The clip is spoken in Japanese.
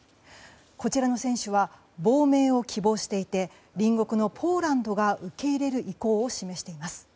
こちらの選手は亡命を希望していて隣国のポーランドが受け入れる意向を示しています。